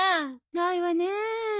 ないわねえ。